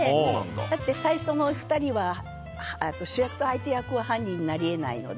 だって、最初の２人は主役と相手役は犯人になりえないので。